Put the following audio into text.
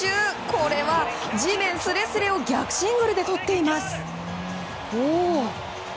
これは、地面すれすれを逆シングルでとっています！